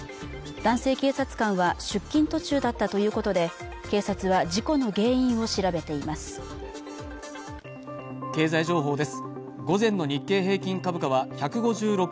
男性警察官は出勤途中だったということで警察は事故の原因を調べています